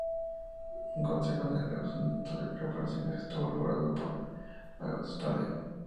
Un consenso en el asunto de reparaciones estuvo logrado por agosto tardío.